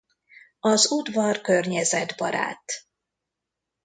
Az udvar környezetbarát.